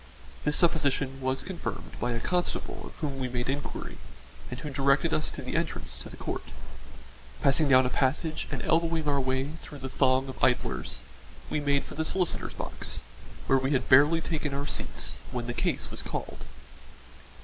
This supposition was confirmed by a constable of whom we made inquiry, and who directed us to the entrance to the court. Passing down a passage and elbowing our way through the throng of idlers, we made for the solicitor's box, where we had barely taken our seats when the case was called.